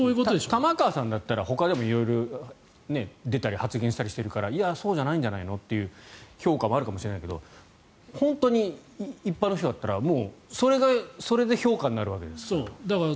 玉川さんだったらほかでも色々出たり、発言したりしているからそうじゃないんじゃないのという評価はあるかもしれないけど本当に一般の人だったらそれが評価になるわけですから。